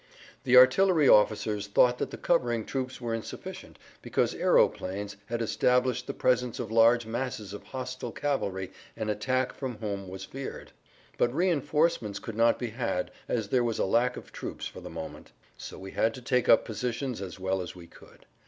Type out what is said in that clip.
The artillery officers thought that the covering troops were insufficient, because aeroplanes had established the presence of large masses of hostile cavalry an attack from whom was feared. But reinforcements could not be had as there was a lack of troops for the moment. So we had to take up positions as well as we could.